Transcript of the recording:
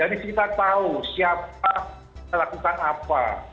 jadi kita tahu siapa melakukan apa